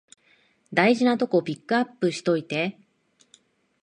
大事なとこピックアップしといて